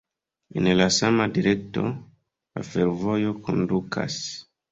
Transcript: En la sama direkto, la fervojo kondukas.